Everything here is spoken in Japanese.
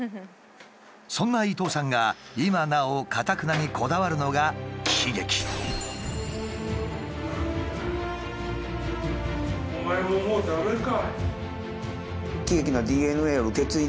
そんな伊東さんが今なおかたくなにこだわるのがお前ももう駄目か。